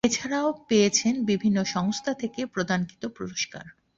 এছাড়াও পেয়েছেন বিভিন্ন সংস্থা থেকে প্রদানকৃত পুরস্কার।